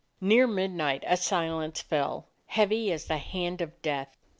Near midnight a silence fell, heavy as the hand of death.